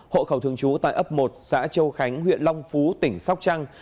hộ khẩu thường trú tại ấp một xã châu khánh huyện long phú tỉnh sóc trăng